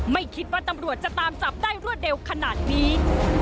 ไม่คิดว่าตำรวจจะตามจับได้รวดเร็วขนาดนี้